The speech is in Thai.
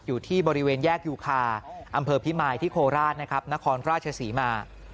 อยู่ที่บริเวณแยกยูคาอำเภอพิมายที่โคราชนะครับนครราชศรีมา